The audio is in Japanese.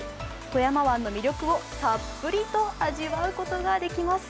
富山湾の魅力をたっぷりと味わうことができます。